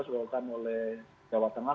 sudah dilakukan oleh jawa tengah